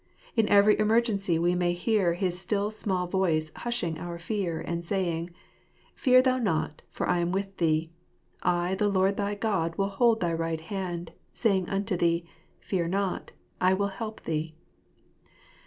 In every emergency we may hear His still small voice hushing our fear, and saying —" Fear tliou not ; for l am with thee : I the Lord thy God will hold thy right hand, Saying unto thee, Fear not, I will help thee."